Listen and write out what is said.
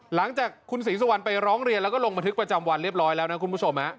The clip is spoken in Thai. หลังจากคุณศรีสุวรรณไปร้องเรียนแล้วก็ลงบันทึกประจำวันเรียบร้อยแล้วนะคุณผู้ชม